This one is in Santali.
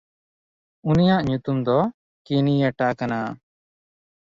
ᱩᱱᱤᱭᱟᱜ ᱧᱩᱛᱩᱢ ᱫᱚ ᱠᱤᱱᱭᱮᱴᱟ ᱠᱟᱱᱟ᱾